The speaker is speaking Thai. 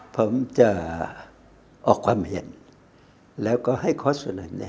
ผมจะออกความเห็นแล้วก็ให้ข้อเสนอนี้